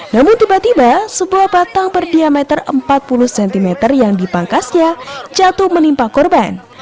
namun tiba tiba sebuah batang berdiameter empat puluh cm yang dipangkasnya jatuh menimpa korban